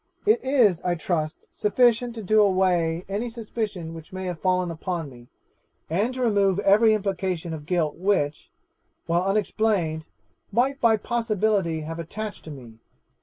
It is, I trust, sufficient to do away any suspicion which may have fallen upon me, and to remove every implication of guilt which, while unexplained, might by possibility have attached to me.